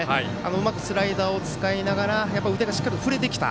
うまくスライダーを使いながら腕がしっかり振れてきた。